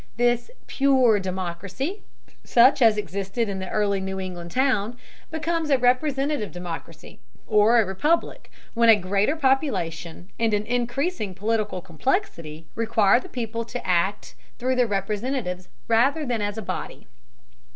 This "pure" democracy, such as existed in the early New England town, becomes a representative democracy, or a republic, when a greater population and an increasing political complexity require the people to act through their representatives, rather than as a body.